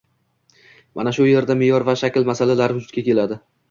Mana shu yerda me’yor va shakl masalalari vujudga keladi.